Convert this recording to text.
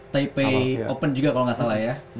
taipei open juga kalau nggak salah ya